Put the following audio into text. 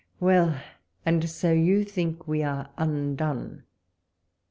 Well ! and so you think we are un done